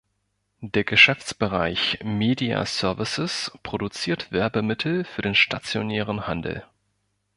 Der Geschäftsbereich „Media Services“ produziert Werbemittel für den stationären Handel.